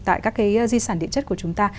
tại các cái di sản địa chất của chúng ta